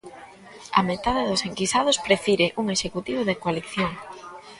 A metade dos enquisados prefire un Executivo de coalición.